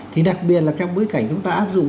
thì đặc biệt là trong bối cảnh chúng ta áp dụng